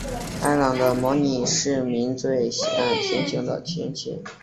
开朗的模拟市民最喜爱天晴的天气。